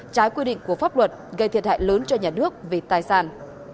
trái quy định của pháp luật gây thiệt hại lớn cho nhà nước về tài sản